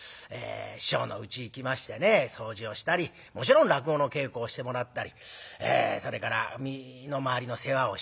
師匠のうち行きましてね掃除をしたりもちろん落語の稽古をしてもらったりそれから身の回りの世話をして。